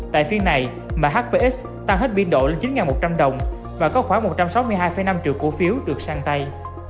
tại phiên này mà hvx tăng hết biên độ lên chín một trăm linh đồng và có khoảng một trăm sáu mươi hai năm triệu cổ phiếu được sang tay